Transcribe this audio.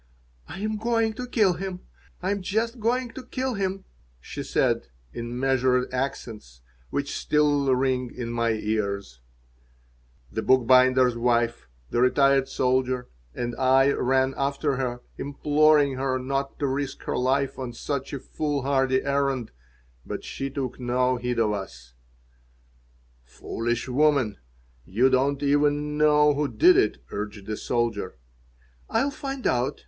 "I'm going to kill him. I am just going to kill him," she said, in measured accents which still ring in my ears The bookbinder's wife, the retired soldier, and I ran after her, imploring her not to risk her life on such a foolhardy errand, but she took no heed of us "Foolish woman! You don't even know who did it," urged the soldier "I'll find out!"